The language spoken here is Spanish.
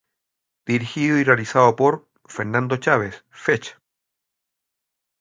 Dirigido y realizado por: Fernando Chávez "Fech".